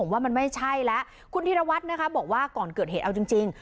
ว่ามันไม่ใช่แล้วคุณธิรวัตรนะคะบอกว่าก่อนเกิดเหตุเอาจริง